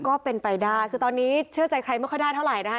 ก็เป็นไปได้คือตอนนี้เชื่อใจใครไม่ค่อยได้เท่าไหร่นะคะ